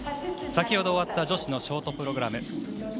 先ほど終わった女子のショートプログラム。